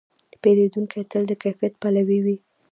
پیرودونکی تل د کیفیت پلوي وي.